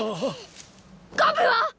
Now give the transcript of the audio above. ガブは！？